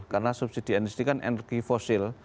karena subsidi energi ini kan energi fosil